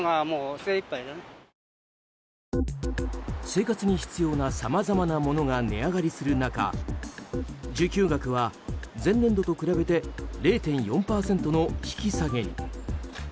生活に必要なさまざまなものが値上がりする中受給額は前年度と比べて０．４％の引き下げに。